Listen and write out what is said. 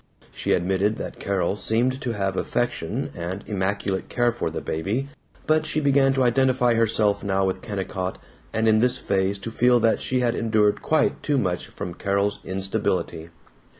She admitted that Carol seemed to have affection and immaculate care for the baby, but she began to identify herself now with Kennicott, and in this phase to feel that she had endured quite too much from Carol's instability.